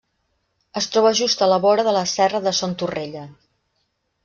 Es troba just a la vora de la Serra de Son Torrella.